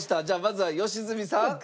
じゃあまずは良純さん。